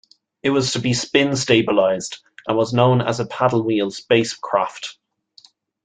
It was to be spin-stabilized, and was known as a 'paddlewheel' spacecraft.